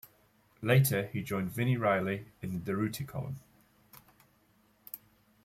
Later, he joined Vini Reilly in the Durutti Column.